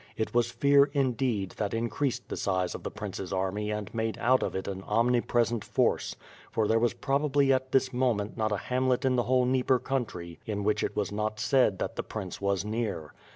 It was fear, indeed, that increased the size of the prince's army and made out of it an omnipresent force, for there was probably at this moment not a hamlet in the whole Dnieper country in which it was not said that the prince was near.